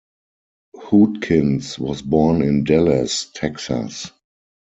Hootkins was born in Dallas, Texas.